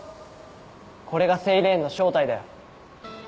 これがセイレーンの正体だよ。